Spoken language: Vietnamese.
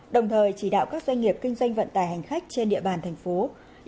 đồng thời chỉ đạo các doanh nghiệp kinh doanh vận tải hành khách trên địa bàn tp hcm